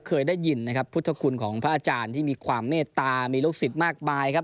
เคยได้ยินนะครับพุทธคุณของพระอาจารย์ที่มีความเมตตามีลูกศิษย์มากมายครับ